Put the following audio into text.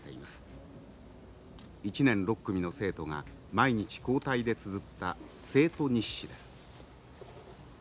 １年６組の生徒が毎日交代でつづった生徒日誌です。